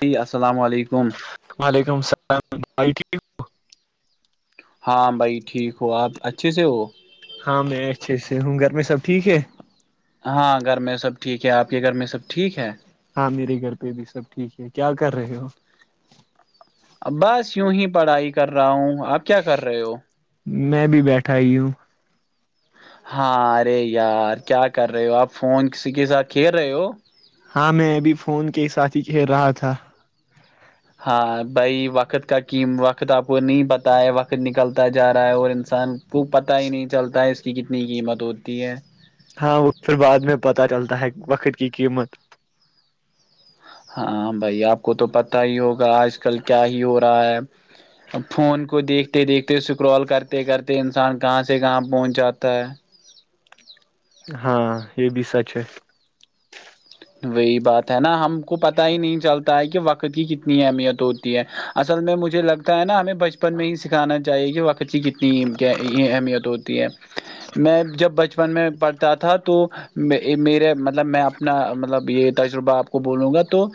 جی السلام علیکم وعلیکم السلام بھائی ٹھیک ہو ہاں بھائی ٹھیک ہو آپ اچھے سے ہو ہاں میں اچھے سے ہوں گھر میں سب ٹھیک ہے ہاں گھر میں سب ٹھیک ہے آپ کے گھر میں سب ٹھیک ہے ہاں میرے گھر پہ بھی سب ٹھیک ہے کیا کر رہے ہو بس یوں ہی پڑھائی کر رہا ہوں آپ کیا کر رہے ہو میں بھی بیٹھا ہیئی ہوں ہاں ارے یار کیا کر رہے ہو آپ فون کسی کے ساتھ کھیر رہے ہو ہاں میں ابھی فون کے ہی ساتھ ہی کہہر رہا تھا ہاں بھائی وقت کا قم وقت آپ کو نہیں پت ہے وقت نکلتا جا رہا ہے اور انسان تو پتہ ہی نہیں چلتا ہے اس کی کتنی قیمت ہوتی ہے ہاں وہ پھر بعد میں پتہ چلتا ہے وقت کی قیمت ہاں بھائی آپ کو تو پتا ہی ہوگا آج کل کیا ہی ہو رہا ہے فون کو دیکھ دیکھتے دیکھتے اسکرال کرتے کرتے انسان کہاں سے کہاں پہنچ جاتا ہے ہاں یہ بھی سچ ہے وہی بات ہے نا ہم کو پتاہ ہی نہیں چلتا ہے کہ وقت کی کتنی اہمیت ہوتی ہے اصل میں مجھے لگتا ہے نا ہمیں بچپن میں ہی سکھانا چاہیے کہ وقت بچی کتنی اہمیت ہوتی ہے میں جب بچپن میں پڑھتا تھا تو میرے مطلب میں اپنا ب یہ تجربہ آپ کو بولوں گا تو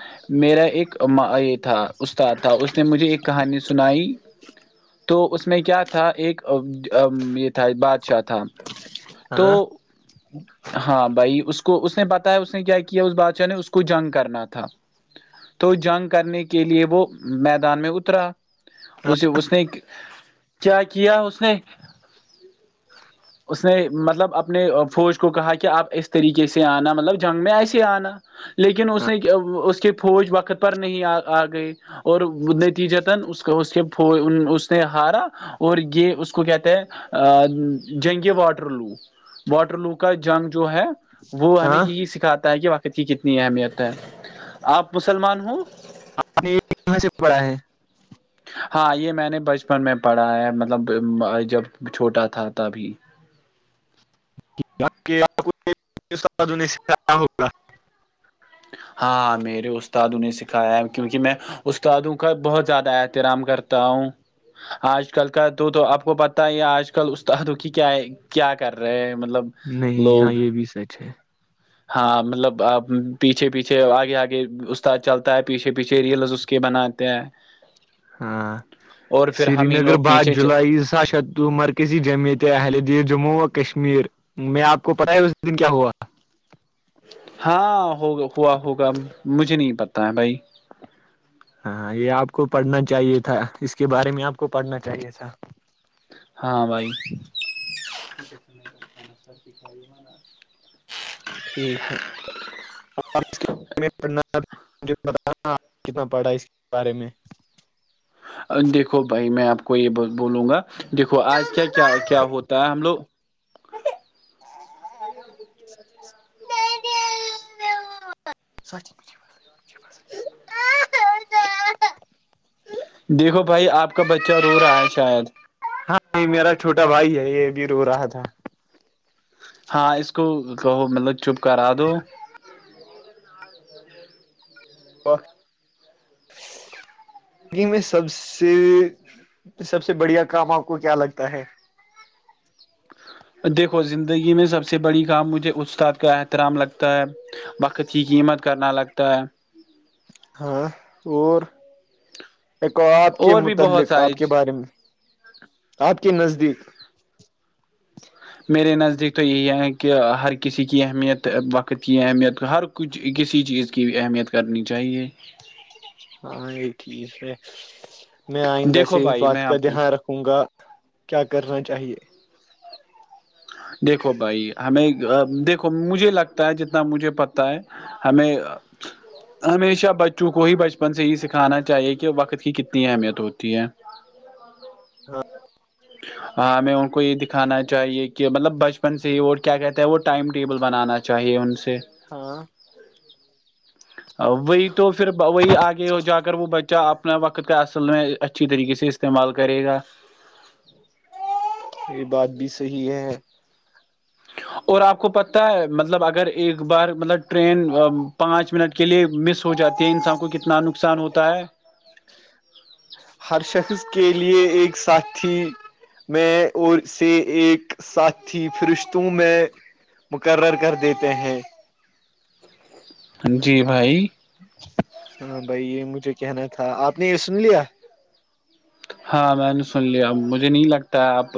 میرا ایک یہ تھا استاد اس نے مجھے ایک کہانی سنائی تو اس میں کیا تھا ایک یہ تھا بادشاہ تھا ہاں تو ہاں بھائی اس کو اس نے بتایا اس نے کیا کیا کیا اس بادشاہ نے اس کو جنگ کرنا تھا تو جنگ کرنے کے لیے وہ میدان میں اترا ہاں اسے اس نے کیا کیا اس نے [inaudible] اس نے مطلب اپنے فوج کو کہا کہ آپ اس طریقے سے آنا مطلب جنگ میں ایس آنا لیکن اس ہاں نے اس کے فوج وقت پر نہیں آ گئے اور نتیج تن اس اس کے اس نے ہارا اور یہ اس کو کہتا ہے جنگے واٹر لو واٹر لو کا جنگ جو ہے وہ ہمیں ہاں آپ یہی سکھاتا ہے کہ واقت کی کتنی اہمیت ہے آپ مسلمان ہ آپ نے کہاں سے پڑا ہے ہاں یہ میں نے بچپن میں پڑھا ہے مطلب جب چھوٹا تھا تبھی [inaudible] ہاں میرے استادوں نے سکھایا ہے کیونکہ میں استادوں کا بہت زیادہ احترام کرتا ہوں آج کل کا تو تو آپ کو پت ہی آج کل استاد دکھی کیا ہے کیا کر رہے ہیں مطلب نہیں ہاں لوگ یہ بھی سچ ہے ہاں مطلب پیچھے پیچھے آگے آگے استاد چلتا ہے پیچھے پیچھے ریلز کے بناتے ہیں ہاں اور پھر سری ہم ہی نگر لوگ بع پیچھے چ... جولائی سا ش مر کسی جمعت اہل دیر جموں و کشمیر میں آپ کو پتاہ ہے اس دن کیا ہوا ہاں ہوگا ہوا ہوگا مجھے نہیں پتا ہے بھائی ہاں ہاں یہ آپ کو پڑھنا چاہیے تھا اس کے بارے میں آپ کو پڑھنا چاہیے تھا ہاں بھائی [inaudible] ٹھیک ہے ار پڑھناجھ با آپ کتنا پڑھا ہے اس کے بارے میں دیکھو بھائی میں آپ کو یہ بولوں گا دیکھو آج کیا کیا کیا ہوتا ہے ہم لوگ [inaudible] [inaudible] [inaudible] دیکھو بھائی آپ کا بچہ رو رہا ہے شاید ہاں میرا چھوٹا بھائی ہے یہ بھی رو رہا تھا ہاں اس کو کہو مطلب چپ کرا دو انی میں سب سے سب سے بڑھیا کام آپ کو کیا لگتا ہے دیکھو زندگی میں سب سے بڑی کام مجھے استاد کا احترام لگتا ہے وقت کی قیمت کرنا لگتا ہے ہاں اور ایکو آپ کے اور بھی بہت متعلق آپ ساری کے بارے میں آپ کے نزدیک میرے نزدیک تو یہی ہے کہ ہر کسی کی اہمیت وقت کی اہمیت ہر کچھ کسی چیز کی اہمیت کرنی چاہیے ہاں یہ ٹھیک ہے میں آئندہ دیکھو سے اس بھائی بات میں کا آپ کو دھیان رکھ ہووں گا کیا کرنا چاہیے دیکھو بھائی ہمیں دیکھو مجھے لگتا ہے جتنا مجھے پتا ہوتا ہے ہمیں ہمیشہ بچوں کو ہی بچپن سے یہ سکھانا چاہیے کہ وقت کی کتنی اہمیت ہوتی ہے ہاں ہاں ہمیں ان کو یہ دکھانا چاہیے کہ مطلب بچپن سے ہی وہ کیا کہتا ہے وہ ٹائم ٹیبل بنانا چاہیے ان سے ہاں [inaudible] [inaudible] وہی تو پھر وہی آگے ہو جا کر وہ بچہ اپنا وقت کا اصل میں اچھی طریقے سے استعمال کرے گا یہ بات بھی صحی ہے اور آپ کو پتہ ہے مطلب اگر ایک بار مطلب ٹرین پانچ منٹ کے لیے مس ہو جاتی ہے انسان کو کتنا نقصان ہوتا ہے ہر شخص کے لیے ایک ساتھی میں اور سے ایک ساتھی فرشتوں میں مقرر کر دیتے ہیں جی بھائی ہاں بھائی یہ مجھے کہنا تھا آپ نے یہ سن لیا ہاں میں نے سن لیا مجھے نہیں لگتا آپ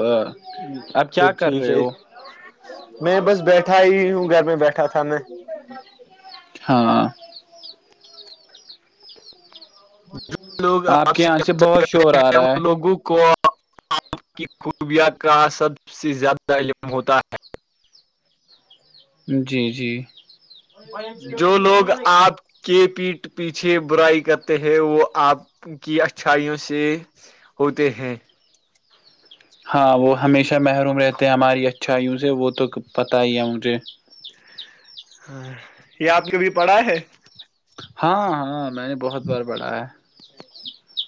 آپ پھر کیا کر ٹھیک رہے ہے ہو میں بس بیٹھا ہی ہوں گھر میں بیٹھا تھا میں ہاں جو لوگ آپ کے سے یہاں بہت کر شور رہے آ ہیں رہا ان لوگوں کو آپ کی خوبیا کا سب سے زیادہ علم ہوتا ہے جی جی جو لوگ آپ کے پیٹ پیچھے برائی کرتے ہیں وہ آپ کی اچھائیوں سے ہوتے ہیں ہاں وہ ہمیشہ محروم رہتے ہیں ہماری اچھا وں سے وہ تو پت ہی ہے مجھے ہاں یہ آپ نے کبھی پڑا ہے ہاں ہاں میں نے بہت بار پڑھایا ہے [inaudible]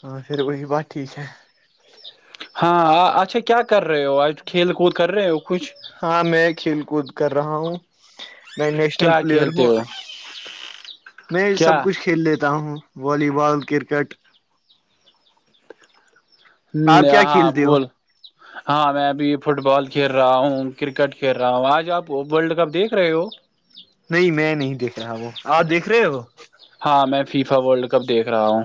ہاں پھر وہی بات ٹھیک ہے ہاں اچھا کیا کر رہے ہو آج کھیل کود کر رہے ہو کچھ ہاں میں کھیل کود کر رہا ہوں میں نیشنل کیا پلیئر کھیلتے ہوں [inaudible] میں سب کیا کچھ کھیل لیتا ہوں والی بال کرکٹ آپ کیا ہاں کھیلتے ہو بول ہاں میں ابھی فٹ بال کھیل رہا ہوں کرکٹ کھیل رہا ہوں آج آپ ورلڈ کپ دیکھ رہے ہو نہیں میں نہیں دیکھ رہا وہ آپ دیکھ رہے ہو وہ ہاں میں فیفاورلڈ کپ دیکھ رہا ہوں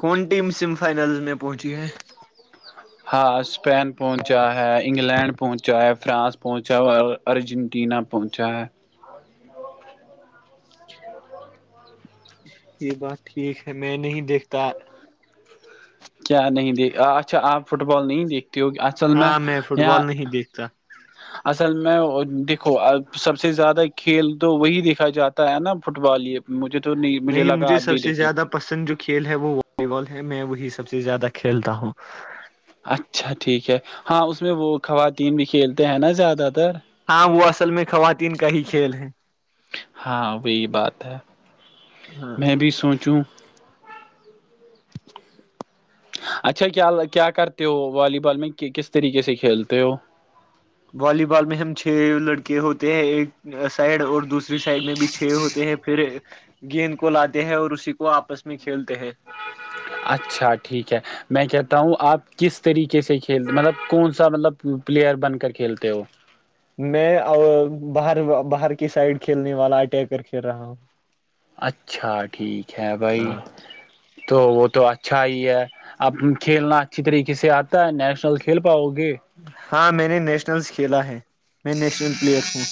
کون ٹیم سیمی فائنلز میں پہنچی ہے ہاں اسپین پہنچا ہے انگلینڈ پہنچا ہے فرانس پہنچا ہوا ارجنٹینا پہنچا ہے یہ بات ٹھیک ہے میں نہیں دیکھتا کیا نہیں دیکھ اچھا آپ فٹ بال نہیں دیکھتے ہوگی اصل میں ہاں فٹ یہاں بال نہیں [unintelligible] اصل میں دیکھو سب سے زیادہ کھیل تو وہی دیکھا جاتا ہے نا فٹ بال یہ مجھے تو نہیں مجھے لگا آپ سب بھی سے دیکھتے زیادہ پسند جو کھیل ہے وہ والی بال ہے میں وہی سب سے زیادہ کھیلتا ہوں اچھا ٹھیک ہے ہاں اس میں وہ خواتین بھی کھیلتے ہیں نا زیادہ تر ہاں وہ اصل میں خواتین کا ہی کھیل ہے ہاں وہی بات ہے ہاں میں بھی سوچوں اچھا کیا کیا کرتے ہو والی بال میں کس طریقے سے کھیلتے ہو والی بال میں ہم چھ لڑکے ہوتے ہیں ایک سائڈ اور دوسری سائڈ میں بھی چھ ہوتے ہیں پھر گیند کو لاتے ہیں اور اسی کو آپس میں کھیلتے ہیں اچھا ٹھیک ہے میں کہتا ہوں آپ کس طریقے سے کھیل مطلب کون سا مطلب پلیئر بن کر کھیلتے ہو میں باہر باہر کی سائڈ کھیلنے والا اٹیکر کھیل رہا ہوں اچھا ٹھیک ہے بھائی ہاں تو وہ تو اچھا ہی ہے اب کھیلنا اچھی طریقے سے آتا ہے نیشنل کھیل پاؤ گے ہاں میں نے نیشنلس کھیلا ہے میں نیشنل پلیئر ہوں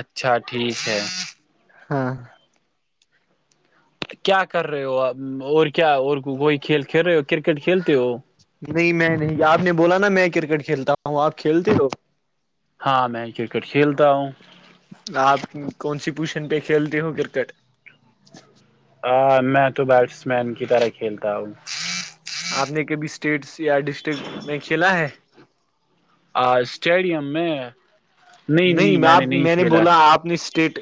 اچھا ٹھیک ہے ہاں کیا کر رہے ہو آپ اور کیا اور وہی کھیل کھیل رہے ہو کرکٹ کھیلتے ہو نہیں میں نہیں آپ نے بولا نا میں کرکٹ کھیلتا ہوں آپ کھیلتے لو ہاں میں کرکٹ کھیلتا ہوں آپ کون سی پوزیشن پہ کھیلتے ہو کرکٹ ہ میں تو بیٹس مین کی طرح کھیلتا ہوں آپ نے کبھی اسٹیٹس یا ڈسٹرکٹ میں کھیلا ہے آ اسٹیڈیم میں نہیں آپ میں نے بولا آپ نے اسٹیٹ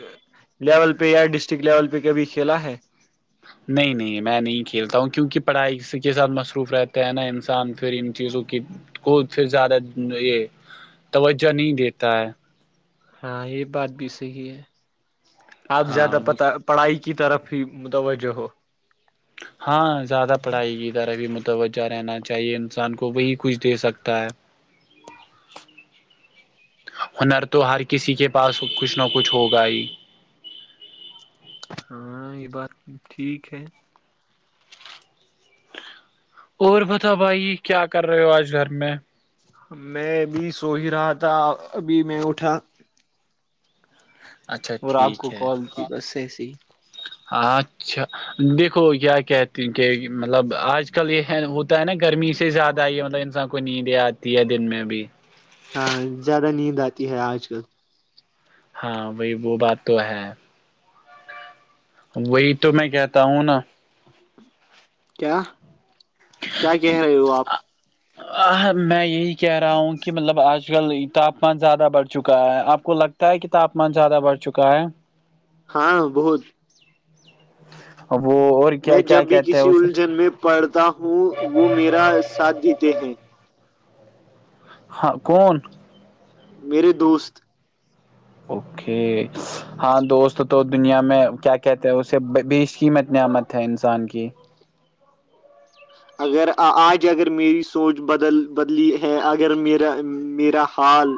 لیول پہ یا ڈسٹرکٹ لیول پہ کبھی کھیلا ہے نہیں نہیں میں نہیں کھیلتا ہوں کیونکہ پڑھائی کے ساتھ مصروف رہتا ہے نا انسان پھر ان چیزوں کی کو پھر زیادہ یہ توجہ نہیں دیتا ہے ہاں یہ بات بھی صحی ہے آپ ہاں زیادہ پتا پڑھائی کی طرف ہی متوجہ ہو ہاں زیادہ پڑھائی کی طرح بھی متوجہ رہنا چاہیے انسان کو وہی کچھ دے سکتا ہے [unintelligible] ہنر تو ہر کسی کے پاس کچھ نہ کچھ ہوگا ہی ہاں یہ بات ٹھیک ہے اور بتاؤ بھائی کیا کر رہے ہو آج گھر میں میں ابھی سو ہی رہا تھا ابھی میں اٹھا [unintelligible] اور آپ کو ٹھیک ہے کال کی بس اییس ہی اچھا دیکھو کیا کہتے ہیں کہ مطلب آج کل یہ ہے ہوتا ہے نا گرمی سے زیادہ یہ ہے مطلب انسان کو کو نیندیں آتی ہے دن میں بھی ہاں زیادہ نیند آتی ہے آج کل ہاں بی وہ بات تو ہے وہی تو میں کہتا ہوں نا کیا کیا کہہ رہے ہو آپ میں یہی کہہ رہا ہوں کہ مطلب آج آج کل تاپمان زیادہ بڑھ چکا ہے آپ کو لگتا ہے کہ تاپمان زیادہ بڑھ چکا ہے ہاں بہت اب وہ اور کیا میں کیا جب بھی کہتے ہیں کسی اسے الجھن میں پڑھتا ہوں وہ میرا ساتھ دیتے ہیں ہاں کون میرے دوست اوکے ہاں دوست تو دنیا میں کیا کہتے ہیں اسے بیشکیمت نعمت ہے انسان کی اگر آج اگر میری سوچ بدل بدلی ہے اگر میرا میرا حال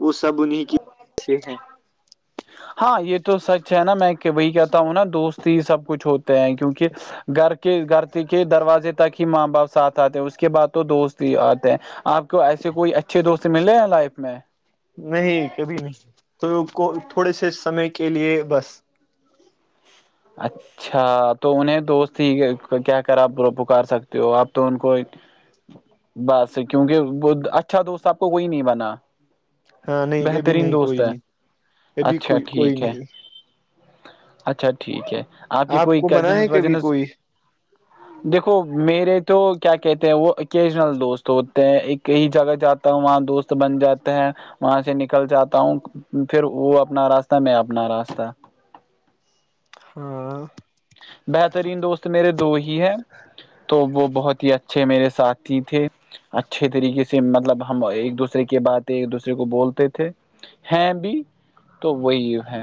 وہ سب انہیں کی ہیں ہاں یہ تو سچ ہے نا میں کہ وہی کہتا ہوں نا دوست ہی سب کچھ ہوتے ہیں کیونکہ گھر کے گھر کے دروازے تک ہی ماں باپ ساتھ آتے اس کے بعد تو دوست آتے ہیں آپ کو ایسے کوئی اچھے دوست ملے لائف میں نہیں کبھی نہیں تو تھوڑے سے سمے کے لیے بس [inaudible] اچھا تو انہیں دوست ہی کیا کراپ پکار سکتے ہو آپ تو ان کو بس کیونکہ وہ اچھا دوست آب کو کوئی نہیں بنا ہاں نہیں ابھی بہترین نہیں دوست کوئی ہے نہیں ابھی اچھا کوئی کوئی ٹھیک ہے نہیں اچھا ٹھیک ہے کے آپ کوئی کو منا ہے کزنس کبھی وزنس کوئی دیکھو میرے تو کیا کہتے ہیں وہ اوکیجنل دوست ہوتے ہیں ایک کہیں جگہ جاتا ہوں وہاں دوست بن جاتا ہے وہاں سے نکل جاتا ہوں پھر وہ اپنا راستہ میں اپنا راستہ ہاں بہترین دوست میرے دو ہی ہیں تو وہ بہت ہی اچھے میرے ساتھی تھے اچھے طریقے سے مطلب ہم ایک دوسرے کے باتیں ایک دوسرے کو بولتے تھے ہیں بھی تو وہی ہے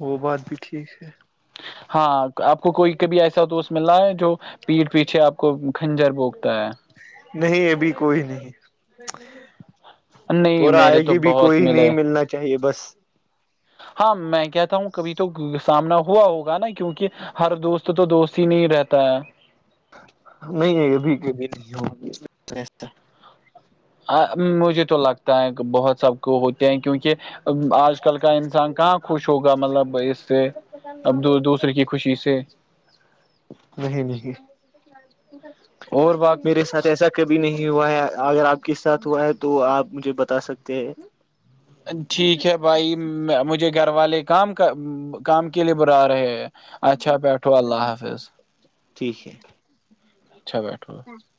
وہ بات بھی ٹھیک ہے ہاں آپ کو کوئی کبھی ایسا دوست مل رہا ہے جو پیٹ پیچھے آپ کو کھنجر بوکتا ہے نہیں ابھی کوئی نہیں نہیں توورا آئے میرے تو گی بھی بہت کوئی نہیں ملے ملنا چاہیے بس ہاں میں کہتا ہوں کبھی تو سامنا ہوا ہوگا نا کیونکہ ہر دوست تو دوست ہی نہیں رہتا ہے نہیں ہے ابھی نہیں ہ گی مجھے تو لگتا ہے بہت سب کو ہوتے ہیں کیونکہ آج کل کا انسان کہاں خوش ہوگا مطلب اس سے اب دو دوسرے کی خوشی سے نہیں نہیں اور با میرے ساتھ ایسا کبھی نہیں ہوا ہے اگر آپ کے ساتھ ہوا ہے تو آپ مجھے بتا سکتے ہیں ٹھیک ہے بھائی مجھے گھر والے کام کا کام کے لیے برا رہے ہیں اچھا بیٹھو اللہ حافظ ٹھیک ہے اچھا بیٹھو [inaudible]